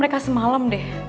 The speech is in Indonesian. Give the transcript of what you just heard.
mereka semalam deh